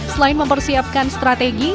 selain mempersiapkan strategi